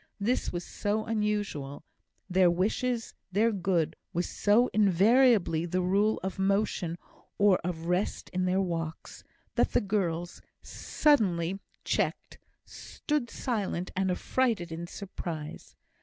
This was so unusual their wishes, their good, was so invariably the rule of motion or of rest in their walks that the girls, suddenly checked, stood silent and affrighted in surprise.